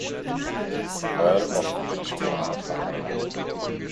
Earl of Bridgewater verheiratet.